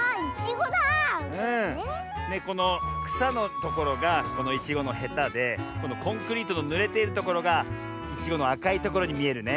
このくさのところがいちごのへたでこのコンクリートのぬれているところがいちごのあかいところにみえるね。